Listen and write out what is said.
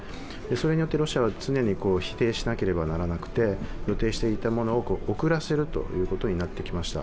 それによってロシアは常に否定しなければならなくて予定していたものを遅らせることになってきました。